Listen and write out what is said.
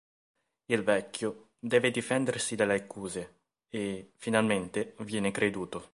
Il vecchio deve difendersi dalle accuse e, finalmente, viene creduto.